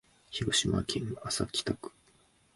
広島市安佐北区